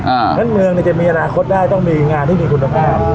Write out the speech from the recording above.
เพราะฉะนั้นเมืองจะมีอนาคตได้ต้องมีงานที่มีคุณภาพ